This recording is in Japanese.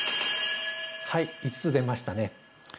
はい５つ出ましたね。